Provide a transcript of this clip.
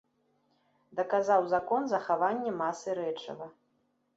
Даказаў закон захавання масы рэчыва.